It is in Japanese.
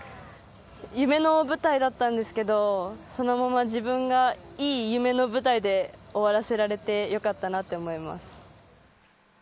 夢の舞台だったんですけど、そのまま自分がいい夢の舞台で終わらせられて、よかったなと思います。